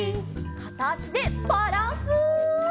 かたあしでバランス！